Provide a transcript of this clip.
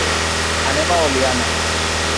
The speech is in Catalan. Anem a Oliana.